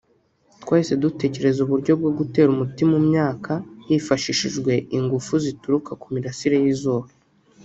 twahise dutekereza uburyo bwo gutera umuti mu myaka hifashishijwe ingufu zituruka ku mirasire y’izuba